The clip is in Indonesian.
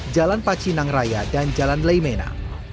jalan pacinang raya dan jalan leimena